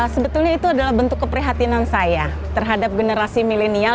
sebetulnya itu adalah bentuk keprihatinan saya terhadap generasi milenial